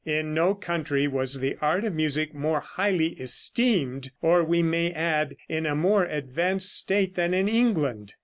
In no country was the art of music more highly esteemed, or, we may add, in a more advanced state than in England.